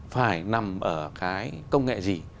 phải nằm ở cái công nghệ gì